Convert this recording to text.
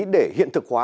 để hiện thực hóa